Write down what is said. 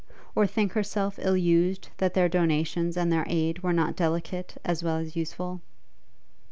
or think herself ill used that their donations and their aid were not delicate as well as useful?